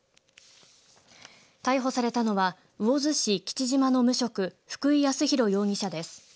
逮捕されたのは魚津市吉島の無職福井康展容疑者です。